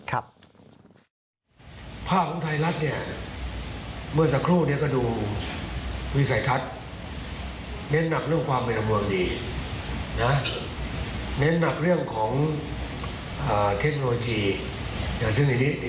หออโรงเรียนไทยรัฐถ้าเราต้องการเห็นเด็กเป็นยังไง